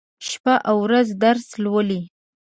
شپه او ورځ درس لولي.